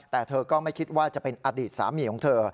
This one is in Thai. แต่เธอก็ไม่คิดว่าจะเป็นอดีตสามีของเธอ